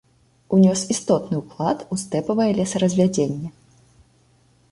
Унёс істотны ўклад у стэпавае лесаразвядзенне.